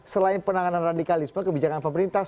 selain penanganan radikalisme kebijakan pemerintah